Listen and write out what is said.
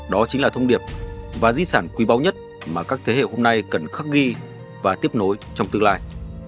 đó chính là thông điệp và di sản quý báu nhất mà các thế hệ hôm nay cần khắc ghi và tiếp nối trong tương lai